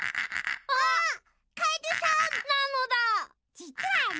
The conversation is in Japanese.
じつはね。